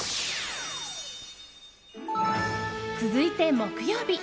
続いて、木曜日。